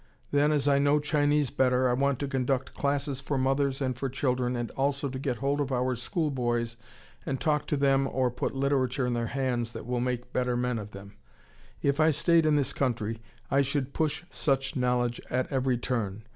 Then as I know Chinese better, I want to conduct classes for mothers and for children, and also to get hold of our school boys and talk to them or put literature in their hands that will make better men of them. If I stayed in this country, I should push such knowledge at every turn.